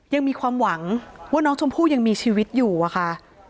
ยังมีความหวังว่าน้องชมพู่ยังมีชีวิตอยู่อะค่ะ